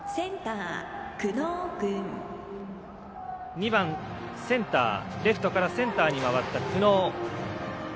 ２番、センターレフトからセンターに回った久納。